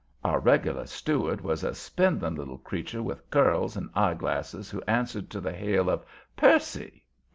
Our regular steward was a spindling little critter with curls and eye glasses who answered to the hail of "Percy."